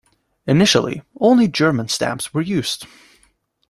Initially only German stamps were used.